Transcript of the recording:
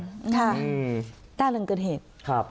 ค่ะต้านรึงกันเหตุ